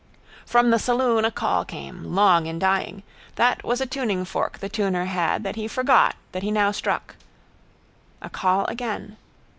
From the saloon a call came, long in dying. That was a tuningfork the tuner had that he forgot that he now struck. A call again.